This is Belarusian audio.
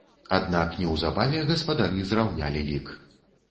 Аднак неўзабаве гаспадары зраўнялі лік.